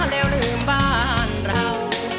แล้วลืมบ้านเรา